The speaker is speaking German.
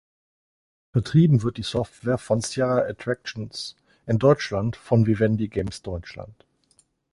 Vertrieben wird die Software von Sierra Attractions, in Deutschland von Vivendi Games Deutschland.